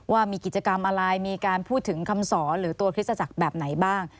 ว่ามีกิจกรรมอะไรมีการพูดถึงคำสอนหรือตัวคริสตจักรแบบไหนบ้าง